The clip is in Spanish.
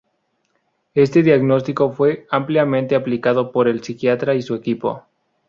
Este diagnóstico fue ampliamente aplicado por el psiquiatra y su equipo.